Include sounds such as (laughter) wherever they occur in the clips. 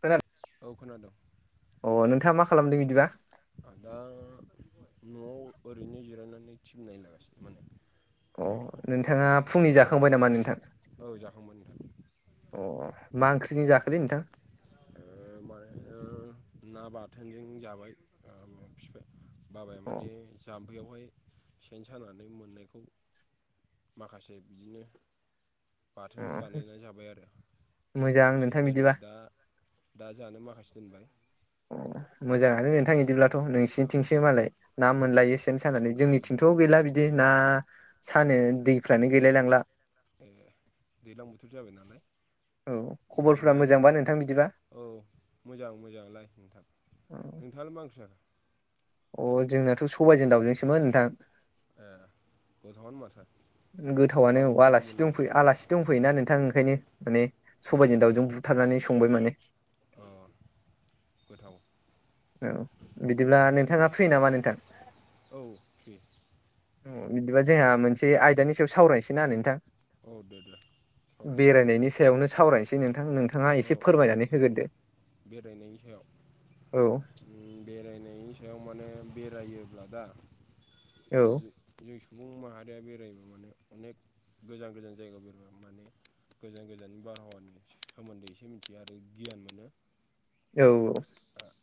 खोनादों औ खोनादोंं अ नोंथाङा मा खालामदों बिदिबा? आं दा न'वाव ओरैनो जिरायनानै टि बि नायलागासिनो माने अ नोंथाङा फुंनि जाखांबाय नामा नोंथां? औ जाखांबाय नोंथां। अ मा ओंख्रिजों जाखोलै नोंथां? ओ माने ओ ना बाथोनजों जाबाय ओ फिफाय बाबाया अ माने जाम्फैयावहाय सेन सानानै मोननायखौ माखासे बिदिनो अ बाथोन बानायना जाबाय आरो मोजां माखासे नोंथां बिदिबा दोनबाय दा दा जानो माखासे दोनबाय। अ मोजाङानो नोंथां इदिब्लाथ' औ नोंसिनिथिंसो मालाय ना मोनलायो। सेन सानानै औ जोंनिथिंथ' गैला बिदि ना सानो दैफ्रानो गैलाय लांला ए दैज्लां बोथोर जाबाय नालाय। औ मोना खबरफोरा आरो मोजांबा नोंथां बिदिबा? औ मोजां मोजाङालाय नोंथां नोंथाङालाय मा ओंख्रि जाखो? अ जोंनाथ' सबाइजों दाउजोंसोमोन नोंथां। ए गोथावानो माथो। सोरबा गोथावानो औ हरफैदोंमोन आलासि नामा दंफैयो आलासि दंफैयोना नोंथां ओंखायनो माने ए सबाइजों दाउजों बुथारनानै संबाय माने अ गोथाव औ बिदिब्ला ओमफ्राय नोंथाङा नोंथां फ्रि नामा नोंथां? औ फ्रि ओ बिदिबा जोंहा मोनसे आयदानि सायाव सावरायनोसै ना नोंथां? औ दे दे सावराय बेरायनायनि सायावनो सावरायनोसै नोंथां नों थाङा औ एसे औ फोरमायनानै होग्रोदो। बेरायनायनि सायाव औ बेरायनायनि सायाव माने बेरायोब्ला दा औ जों सुबुं माहारिया बेरायनो माने अनेक गोजान गोजान जायगायाव बेरायबो माने गोजान गोजाननि बारहावानि सोमोन्दै एसे मिथियो आरो गियान मोनो औ औ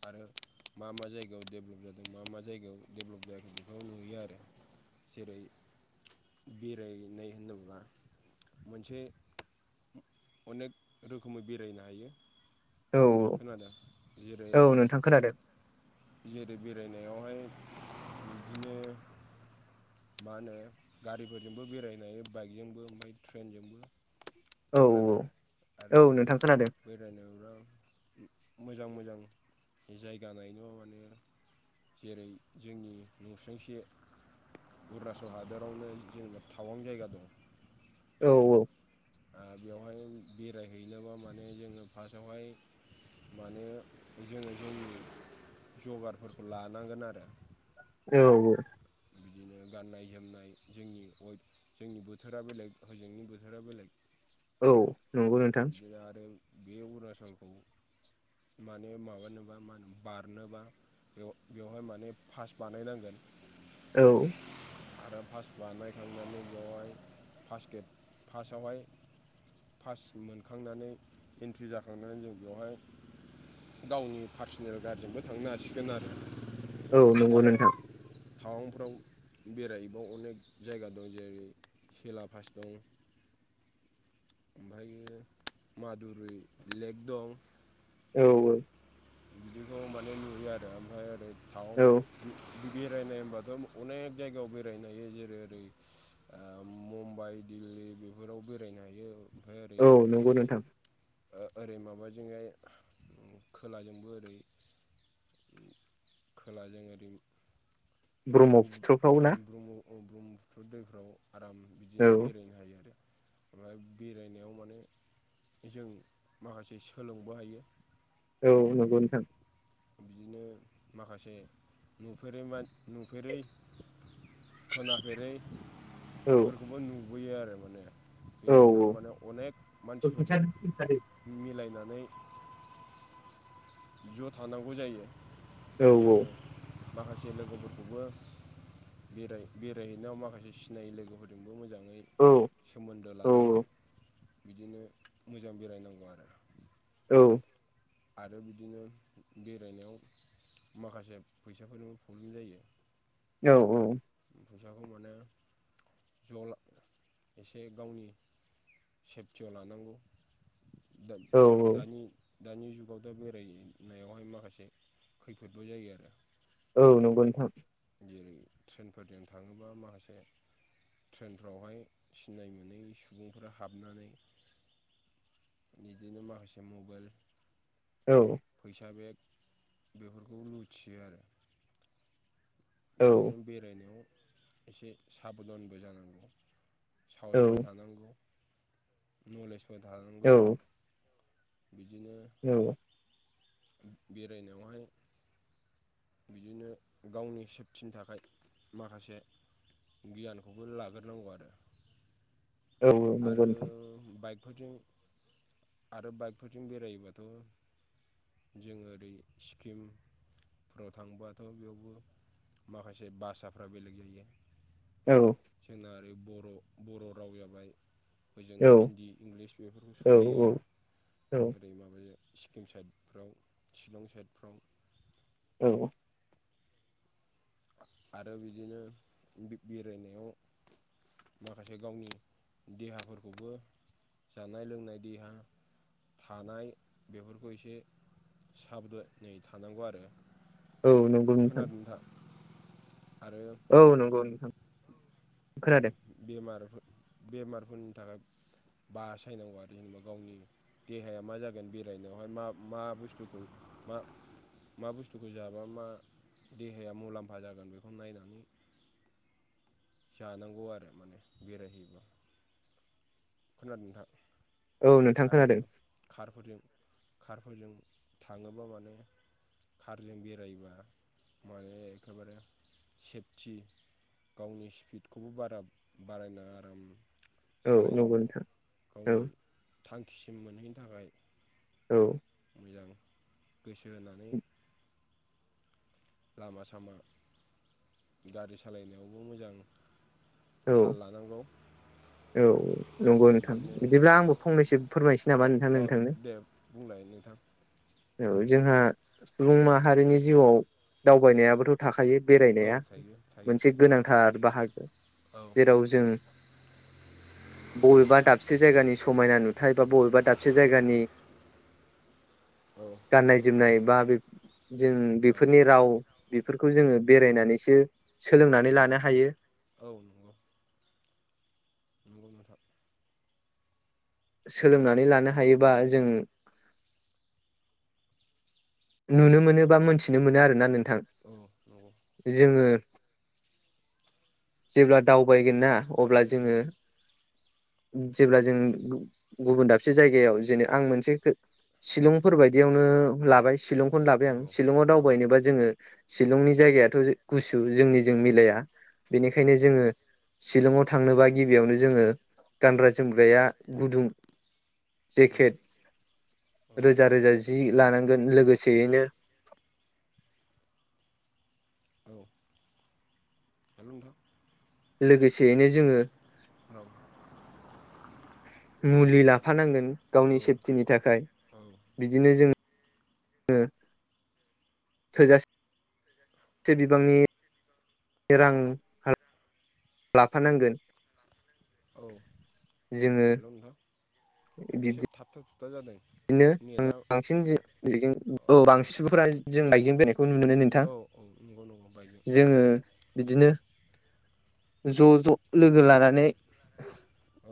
आरो मा मा जायगायाव डेभेलप जादों मा मा जायगायाव डेभेलप जायाखै बेखौ नुयो आरो जेरै बेरायनाय होनना बुङोब्ला मोनसे अनेक रोखोमै बेरायनो हायो। औ खोनादो? जेरै औ नोंथां खोनादों जेरै बेरायनायावहाय बिदिनो मा होनो गारिफोरजोंबो बेरायनो हायो बाइकजोंबो ओमफ्राय ट्रेनजोंबो। औ खोनादों? औ आरो नोंथां खोनादों बेरायनोब्ला मोजां मोजां जायगा नायनोबा माने जेरै जोंनि नसुंसे अरुणाचल हादोरावनो जोंना थावां जायगा दं। औ औ। ओ बेवहाय बेरायहैनोबा माने जोङो फास्टआवहाय माने जोङो जोंनि जगारफोरखौ लानांगोन आरो। औ औ। बिदिनो गाननाय जोमनाय जोंनि अइद जोंनि बोथोरा बेलेग ओजोंनि बोथोरा बेलेग। औ नंगौ नों बिदिनो आरो बे अरुणाचलखौ माने माबानोबा मा होनो बारनोबा। बेव-बेवहाय माने फास्ट बानायनांगोन। औ। आरो फास्ट बानायखांनानै बेवहाय फास्ट गेट फास्टआवहाय पास मोनखांनानै एन्ट्रि जाखांनानै जों बेवहाय गावनि पार्सनेल गारिजोंबो थांनो हासिगोन आरो औ नंगौ बिदिनो नोंथां टावांफ्राव बेरायहैबा अनेक जायगा दं जेरै सेला पास दं। ओमफायो मादुरि लेक दं। औ औ। बिदिखौ माने नुयो आरो। ओमफ्राय ओरै थावां औ बेरायनाय होनबाथ' अनेक जायगायाव बेरायनो हायो जेरै ओरै ओ मुम्बाइ दिल्ली बेफोराव बेरायनो हायो। ओमफ्राय ओरै औ नंगौ नोंथां ओ ओरै माबाजोंहाय उम खोलाजोंबो ओरै उम खोलाजों ओरै (unintelligible) ब्रह्मपुत्रफ्राव ना ब्रह्म ब्रह्मपुत्र दैफोराव आराम औ बिदिनो बेरायनो हायो आरो। ओमफ्राय बेरायनायाव माने जों माखासे सोलोंबो हायो। औ नंगौ नोंथां। बिदिनो माखासे नुफेरै मा नुफेरै खोनाफेरै औ फोरखौबो नुबोयो आरो माने। औ बेरायनायाव माने अनेक औ मानसिफोरजों मिलायनानै ज' थानांगौ जायो जोङो माखासे लोगोफोरखौबो बेराय बेरायहैनायाव माखासे सिनायि लोगोफोरजोंबो मोजा ङै सोमोन्दो औ लानानै बिदिनो मोजां बेरायनांगौ आरो। औ। आरो बिदिनो बेरायनायाव माखासे फैसाफोरनिबो प्रब्लेम जायो। औ औ। फैसाखौ माने ज' ला एसे गावनि सेफटियाव लानांगौ। दा औ दानि दानि जुगाव दा बेरायनायावहाय माखासे खैफोदबो जायो आरो। औ नंगो नोंथां। जेरै ट्रेनफोरजों थाङोबा माखासे ट्रेनफ्रावहाय सिनाय मोनै सुबुंफोरा हाबनानै बिदिनो माखासे मबेल औ फैसा बेग बेफोरखौ लुथियो आरो औ बिदिनो बेरायनायाव एसे साबधानबो जानांगौ औ साहसबो थानांगौ नलेजबो थानांगौ। औ बिदिनो औ बेरायनायावहाय बिदिनो गावनि सेफटिनि थाखाय माखासे गियानखौबो लाग्रोनांगौ आरो औ नंगौ आरो नोंथां बाइक फोरजों आरो बाइकफोरजों बेरायोबाथ' जोङो ओरै सिक्किम फोराव थांबाथ' बेयावबो माखासे भासाफ्रा बेलेग जायो। औ जोंना ओरै बर' बर' राव जाबाय होजों औ हिन्दी इंलिस बेफोरल' सलियो आरो औ ओरै माबाजो सिक्किम साइडफ्राव शिलं साइडफ्राव औ आरो बिदिनो बेरायनायाव माखासे गावनि देहाफोरखौबो जानाय लोंनाय देहा थानाय बेफोरखौ एसे साबधानै थानांगौ आरो। औ नंगौ नोंथां आरो (inaudible) औ नंगौ नोंथां खोनादों बेमारफोर बेमारफोरनि थाखाय बासायनांगौ आरो जेनबा गावनि देहाया मा जागोन बेरायनायावहाय मा मा बुस्थुखौ मा मा बुस्थुखौ जाबा मा देहाया मुलाम्फा जागोन बेखौ नायनानै जानांगौ आरो माने बेेरायहैबा खोनादों नोंथां औ नोंथां आरो खोनादों खारफोरजों खारफोरजों थाङोबा माने खारजों बेरायोबा माने एखेबारे सेफथि गावनि स्पिडखौबो बारा बाराय नाङा आराम औ नंगौ सालायनांगौ नोंथां औ गावनि थांखिसिम मोनहैनो थाखाय औ मोजाङै गोसो होनानै लामा सामा गारि सालायनायावबो मोजां औ थाल लानांगौ औ नंगौ नोंथां बिदिनो इदिब्ला आंबो फंनैसो फोरमायनोसै ओ नामा नोंथां औ नोंथांनो? दे बुंलाय नोंथां औ जोंहा सुबुं माहारिनि जिउआव दावबायनायाबोथ' थाखायो औ बेरायनाया थायो थायो मोनसे गोनांथार बाहागो औ जेराव जों बबेबा दाबसे जायगानि समायना नुथाय बा बबेबा दाबसे जायगानि औ गाननाय जोमनाय बा जों औ बेफोरनि राव बेफोरखौ जोङो बेरायनानैसो सोलोंनानै लानो हायो। औ औ नंगौ। नंगौ नोंथां। सोलोंनानै लानो हायो बा जों नुनो मोनो बा मोन्थिनो मोनो आरोना नोंथां। औ नंगौ। जोङो जेब्ला दावबायगोनना अब्ला उम जोङो जेब्ला जों गुबुन दाबसे जायगायाव जेने आं मोनसे शिलंफोर बायदियावनो लाबाय खौनो लाबाय औ आं शिलङाव औ दावबायनोबा जोङो शिलंनि जायगायाथ' गुसु जोंनिजों औ मिलाया औ बेनिखायनो मिलाया जोङो शिलङाव थांनोबा गिबियावनो जोङो गानग्रा जोमग्राया गुदुं उम जेकेट औ रोजा रोजा जि लानांगोन औ लोगोसेयैनो औ हेल' नोंथां लोगोसेयैनो जोङो औ (inaudible) मुलि लाफानांगोन औ गावनि सेफटिनि थाखाय औ बिदिनो जो ङो थोजा से बिबांनि रां लाफानांगोन औ जोङो हेल' नोंथां बिब्दि एसे थाबथा थुबथा जादों बिदिनो नेटआ बांसिन (unintelligible) औ बांसिन सुबुंफोरा जों बाइकजों बेरायो खौ नुनो मोनो नोंथां औ औ नंगौ नंगौ बायजोब जोङो बिदिनो ज' ज' लोगो लानानै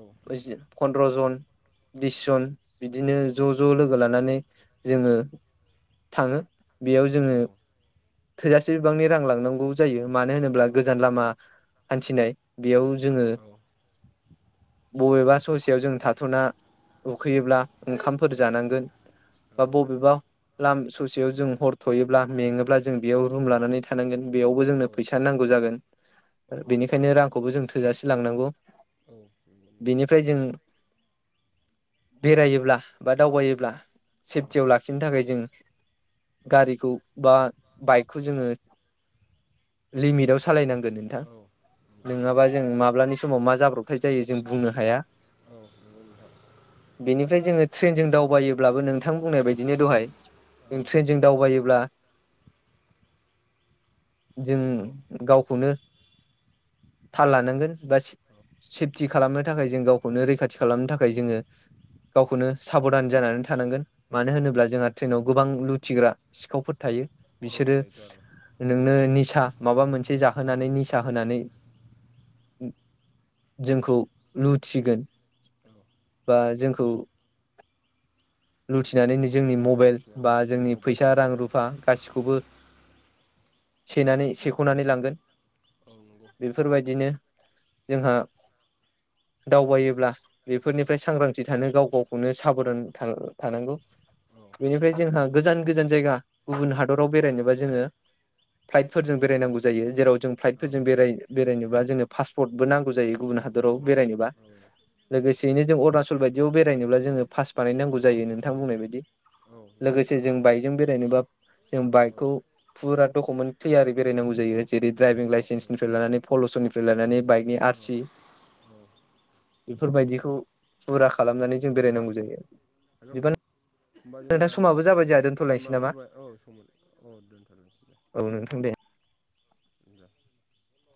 औ बुजिदों फन्द्र' जन बिस जन बिदिनो उम ज' ज' लोगो लानानै जोङो थाङो बेयाव जोङो औ थोजासे बिबांनि रां लांनांगौ जायो मानो होनोब्ला औ गोजान लामा हानथिनाय। बेयाव जोङो बबेबा ससेयाव जों थाथ'ना उखैयोब्ला ओंखामफोर औ जानांगोन बा बबेबा लाम ससेयाव जों हर थ'योब्ला मेङोब्ला जों बेयाव रुम लानानै थानांगोन बेयावबो औ जोंनो फैसा नां गौ जागोन औ नंगौ बेनिखायनो रांखौबो जों थो थोजासे लांनांगौ औ नंगौ बेनिफ्राय जों बेरायोब्ला बा दावबायोब्ला सेफटियाव नोंथां लाखिनो थाखाय जों औ गारिखौ बा बाइकखौ जोङो लिमिटाव सालायनांगो नोंथां। औ नंगौ नोङाबा जों माब्लानि समाव मा जाब्रबथाय जायो जों बुंनो हाया। औ नंगौ नोंथां। बेनिफ्राय जोङो ट्रेनजों दावबायोब्लाबो नोंथां बुंनाय बायदिनो दहाय औ जों ट्रेनजों दावबायोब्ला औ औ जों गावखौनो थाल लानांगोन बा सि सेफटि खालामनो थाखाय जों गावखौनो रैखाथि खालामनो थाखाय जोङो गावखोनो साबधान जानानै थानांगोन मानो होनोब्ला जोंहा ट्रेनाव गोबां लुथिग्रा सिखावफोर थायो औ बिसोरो थायोथ' आरो नोंनो निसा माबा मोनसे जाहोनानै निसा होनानै जोंखौ लुथिगोन औ बा जोंखौ लुथिनानै जोंनि मबाइल बा लुथिनानै जोंनि फैसा रां मबाइलखौसो रुफा गासिखौबो सेनानै सेख'नानै लांगोन। औ नंगौ। बेफोरबायदिनो जोंहा दावबायोब्ला औ बेफोरनिफ्राय सांग्रांथि थानो गाव गावखौनो साबदान था थानांगौ। औ बेनिफ्राय जोंहा गोजान गोजान जायगा गुबुन हादराव बेरायनोबा जोङो फ्लाइटफोरजों नंगौ बेरायनांगौ जायो जेराव जों औ नंगौ औ फ्लाइटफोरजों बेराय बेरायनोबा जोंङो पास पटबो नांगौ जायो गुबुन औ हादराव नंगौ बेरायनोबा औ लोगोसेयैनो जों अरुणाचल बायदियाव बेरायनोब्ला जोङो पास बानायनांगौ जायो नोंथां बुंनाय बायदि लोगोसे जों बाइकजों बेरायनोबा जों बाइकखौ फुरा डकुमेन्ट ख्लियारै बेरायनांगौ जायो जेरै ड्राइभिं लाइसेन्सनिफ्राय लानानै फल'सननिफ्राय लानानै बाइकनि आरसि औ बेफोरबायदिखौ फुरा खालामनानै जों बेरायनांगौ जायो आरो। हेलौ नोंथां होनबा जोंना समाबो जाबाय जोंहा दोनथ'लायनोसै टाइमाबो नामा जाबाय औ समलाय औ दोनथ' दोन दे। औ नोंथां दे।